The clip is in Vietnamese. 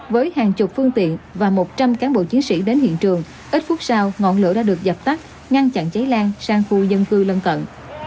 với hàng chục phương tiện và một trăm linh cán bộ chiến sĩ đến hiện trường ít phút sau ngọn lửa đã được dập tắt ngăn chặn cháy lan sang khu dân cư lân cận